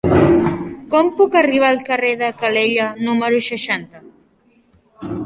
Com puc arribar al carrer de Calella número seixanta?